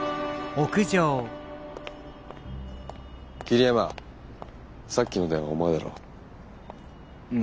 桐山さっきの電話お前だろ？